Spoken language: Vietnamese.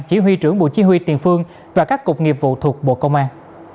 chỉ huy trưởng bộ chí huy tiền phương và các cục nghiệp vụ thuộc bộ công an